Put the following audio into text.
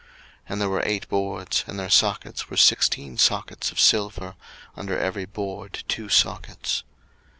02:036:030 And there were eight boards; and their sockets were sixteen sockets of silver, under every board two sockets.